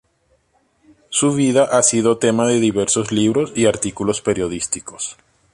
Su vida ha sido tema de diversos libros y artículos periodísticos.